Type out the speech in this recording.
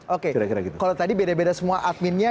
oke kalau tadi beda beda semua adminnya